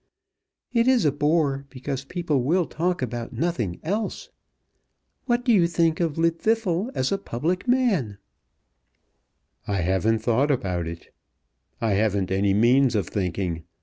It is a bore, because people will talk about nothing else. What do you think of Llwddythlw as a public man?" "I haven't thought about it. I haven't any means of thinking.